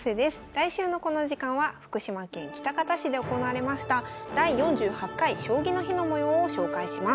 来週のこの時間は福島県喜多方市で行われましたの模様を紹介します。